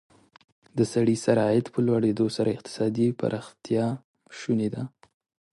د سړي سر عاید په لوړېدو سره اقتصادي پرمختیا شونې ده.